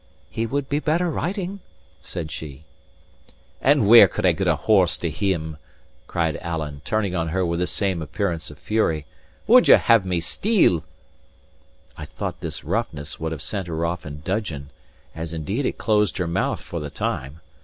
"He would be better riding," says she. "And where could I get a horse to him?" cried Alan, turning on her with the same appearance of fury. "Would ye have me steal?" I thought this roughness would have sent her off in dudgeon, as indeed it closed her mouth for the time.